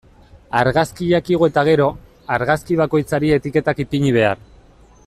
Argazkiak igo eta gero, argazki bakoitzari etiketak ipini behar.